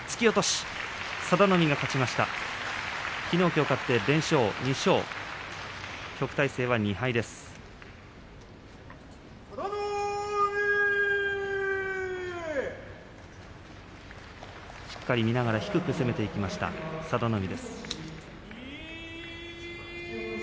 しっかり見ながら低く攻めていきました、佐田の海。